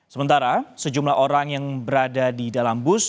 sementara sejumlah orang yang berada di dalam bus